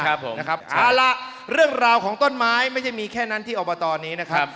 และเรื่องราวของต้นไม้ไม่มีแค่นั้นที่เอามาตอนนี้นะครับ